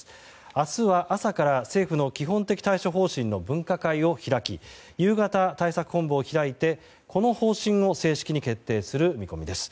明日は朝から政府の基本的対処方針の分科会を開き夕方、対策本部を開いてこの方針を正式に決定する見込みです。